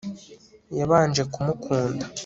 yabanje kumukunda